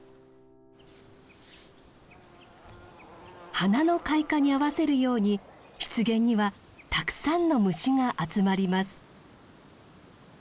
花の開花に合わせるように湿原にはたくさんの虫が集まります。